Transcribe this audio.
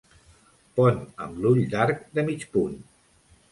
Pont amb l'ull d'arc de mig punt.